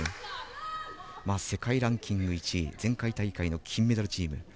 世界ランキング１位前回大会の金メダルチーム。